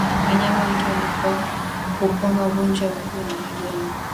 Wanyama wengi waliokua hupona ugonjwa wa miguu na midomo